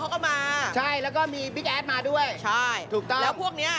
เขาก็มาใช่แล้วก็มีพี่แอดมาด้วยใช่ถูกต้องแล้วพวกเนี้ย